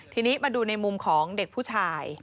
ทีนี้มาดูในมุมของเด็กผู้ชาย